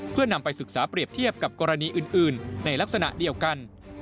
เพื่อนำไปศึกษาเปรียบเทียบกับกรณีอื่นในลักษณะเดียวกัน